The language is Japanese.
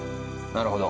なるほど。